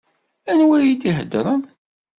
Anwa i d-ihedṛen?